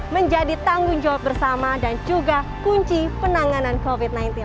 menjadi tanggung jawab bersama dan juga kunci penanganan covid sembilan belas